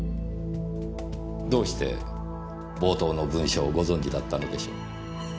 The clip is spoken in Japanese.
どうして冒頭の文章をご存じだったのでしょう？